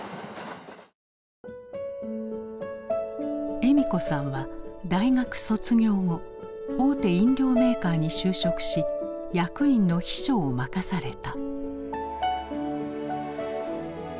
笑美子さんは大学卒業後大手飲料メーカーに就職し役員の秘書を任された。